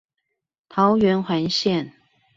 桃園環線